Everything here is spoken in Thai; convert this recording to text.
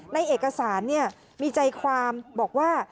ในเอกสารมีใจความบอกว่า